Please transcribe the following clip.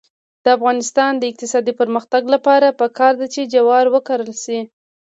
د افغانستان د اقتصادي پرمختګ لپاره پکار ده چې جوار وکرل شي.